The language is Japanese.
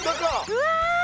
うわ！